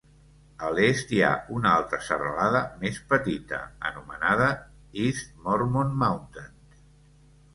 A l'est hi ha una altra serralada més petita, anomenada East Mormon Mountains.